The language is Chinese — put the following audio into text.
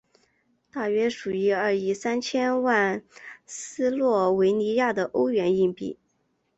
大约属于二亿三千万斯洛维尼亚的欧元硬币。